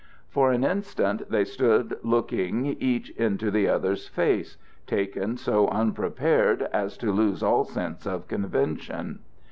For an instant they stood looking each into the other's face, taken so unprepared as to lose all sense of convention.